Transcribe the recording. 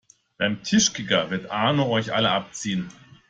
Beim Tischkicker wird Arno euch alle abziehen!